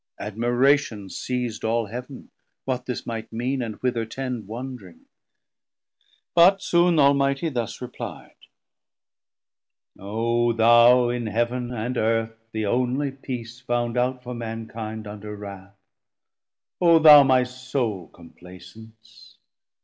Admiration seis'd All Heav'n, what this might mean, & whither tend Wondring; but soon th' Almighty thus reply'd: O thou in Heav'n and Earth the only peace Found out for mankind under wrauth, O thou My sole complacence!